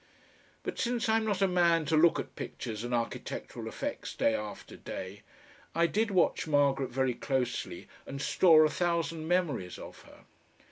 But since I am not a man to look at pictures and architectural effects day after day, I did watch Margaret very closely and store a thousand memories of her.